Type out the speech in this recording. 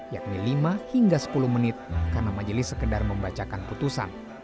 yakni lima hingga sepuluh menit karena majelis sekedar membacakan putusan